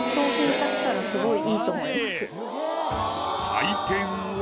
採点は？